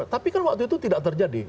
tapi kan waktu itu tidak terjadi